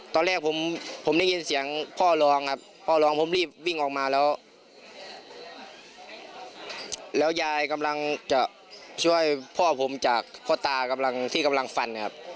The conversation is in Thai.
ตอนแรกผมได้ยินเสียงพ่อร้องครับพ่อร้องผมรีบวิ่งออกมาแล้วแล้วยายกำลังจะช่วยพ่อผมจากพ่อตากำลังที่กำลังฟันครับ